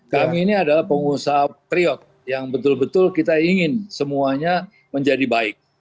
kami ini adalah pengusaha priot yang betul betul kita ingin semuanya menjadi baik